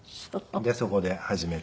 でそこで始めて。